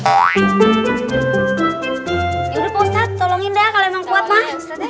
ya udah ustadz tolongin deh kalau emang kuat mah